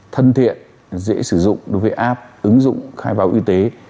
thân thiện dễ sử dụng đối với app ứng dụng khai báo y tế